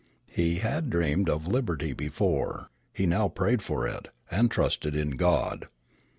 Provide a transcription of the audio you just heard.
He had dreamed of liberty before; he now prayed for it, and trusted in God.